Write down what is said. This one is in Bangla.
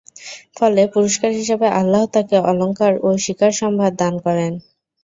ফলে পুরস্কার হিসেবে আল্লাহ তাকে অলংকার ও শিকার সম্ভার দান করেন।